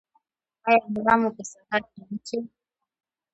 ایا ملا مو په سهار کې وچیږي؟